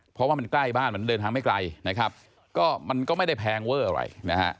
เพราะว่ามันใกล้บ้านมันเดินทางไม่ไกลนะครับก็มันก็ไม่ได้แพงเวอร์อะไรนะฮะ